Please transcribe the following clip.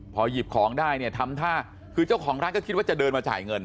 พอหยิบของได้เนี่ยทำท่าคือเจ้าของร้านก็คิดว่าจะเดินมาจ่ายเงิน